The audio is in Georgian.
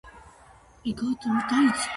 დინკა მიეკუთვნება ნილოტურ ენებს.